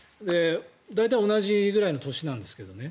大体同じぐらいの年なんですけどね。